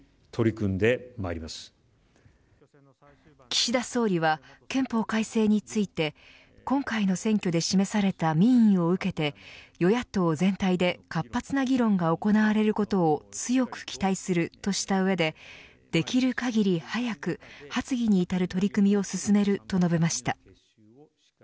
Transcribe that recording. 岸田総理は憲法改正について今回の選挙で示された民意を受けて与野党全体で、活発な議論が行われることを強く期待するとした上でできる限り早く発議に至る取り組みを進めると述べました。